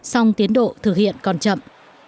xong tiến độ thực hiện còn chậm